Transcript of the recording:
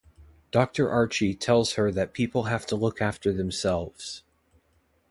Doctor Archie tells her that people have to look after themselves.